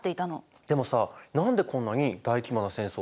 でもさ何でこんなに大規模な戦争をしちゃったの？